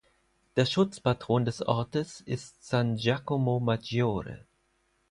Der Schutzpatron des Ortes ist "San Giacomo Maggiore".